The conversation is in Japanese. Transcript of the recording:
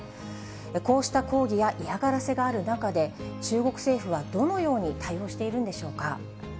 こうした抗議や嫌がらせがある中で、中国政府はどのように対応しているんでしょうか。